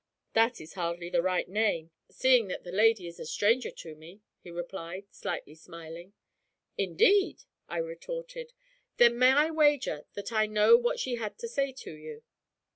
'That is hardly the right name, seeing that the lady is a stranger to me,' he replied, slightly smiling. 'Indeed!' I retorted. 'Then may I wager that I know what she had to say to you?'